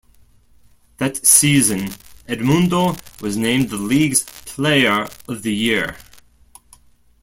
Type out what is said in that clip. That season, Edmundo was named the league's player of the year.